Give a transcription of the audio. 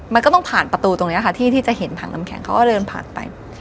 มันก็ต้องผ่านประตูตรงนี้ค่ะที่จะเห็นถังน้ำแข็งเขาก็เดินผ่านไป